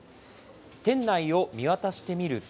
店内を見渡してみると。